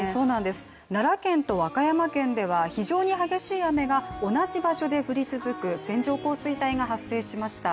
奈良県と和歌山県では非常に激しい雨が同じ場所で降り続く線状降水帯が発生しました。